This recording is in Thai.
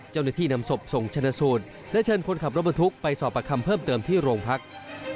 เจ้าหน้าที่นำศพส่งชนะสูตรและเชิญคนขับรถบรรทุกไปสอบประคำเพิ่มเติมที่โรงพัก